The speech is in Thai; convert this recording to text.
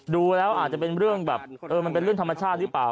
ดูแล้วอาจจะเป็นเรื่องแบบเออมันเป็นเรื่องธรรมชาติหรือเปล่า